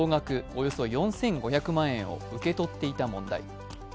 およそ４５００万円を受け取っていた問題。